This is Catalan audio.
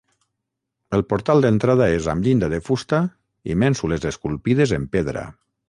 El portal d'entrada és amb llinda de fusta i mènsules esculpides en pedra.